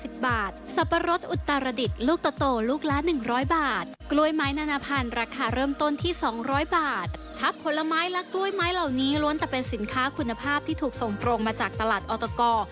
ทัพผลไม้และกล้วยไม้เหล่านี้ล้วนแต่เป็นสินค้าคุณภาพที่ถูกส่งตรงมาจากตลาดออตก